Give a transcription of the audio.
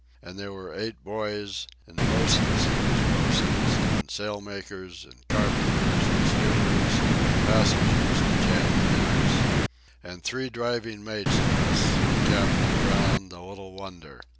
And there were eight boys, an' bosuns that was bosuns, an' sail makers an' carpenters an' stewards an' passengers to jam the decks. An' three driving mates of us, an' Captain Brown, the Little Wonder.